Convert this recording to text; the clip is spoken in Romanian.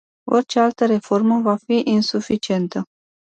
Orice altă reformă va fi insuficientă.